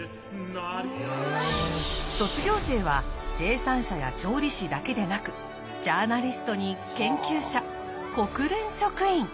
卒業生は生産者や調理師だけでなくジャーナリストに研究者国連職員！